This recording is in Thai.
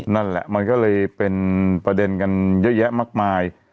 นั่นแหละมันก็เลยเป็นประเด็นกันเยอะแยะมากมาย